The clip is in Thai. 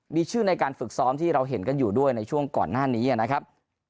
มีชื่อในการฝึกซ้อมที่เราเห็นกันอยู่ด้วยในช่วงก่อนหน้านี้นะครับ